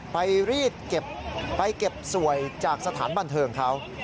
ไปรีดเก็บไปเก็บสวยจากสถานบันเทิงเขา